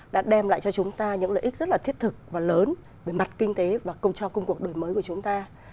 đã đem lại cho chúng ta những lợi ích rất là thiết thực và lớn về mặt kinh tế và công cho công cuộc đổi mới của chúng ta